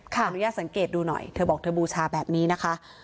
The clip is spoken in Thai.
ขออนุญาตสังเกตดูหน่อยเธอบอกเธอบูชาแบบนี้นะคะ